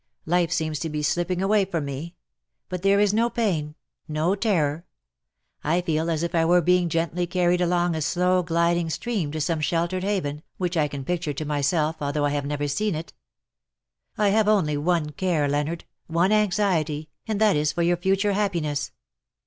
Life seems to be slipping away from me ; but there is no pain, no terror. I feel as if I were being gently carried along a slow gliding stream to some sheltered haven, which I can picture to myself, although I have never seen it. I have only one care, Leonard, one anxiety, and that is for your future happiness.